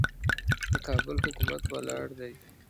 د کابل حکومت ولاړ دی.